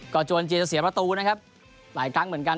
ก็จวนจีนจะเสียประตูนะครับหลายครั้งเหมือนกัน